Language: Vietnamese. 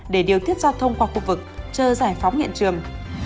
để điều tiết giao thông qua khu vực chờ giải phóng hiện trường